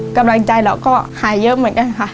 กำลังใจเราก็หายเยอะเหมือนกันค่ะ